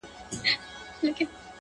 o هر بنده، خپله ئې کرونده٫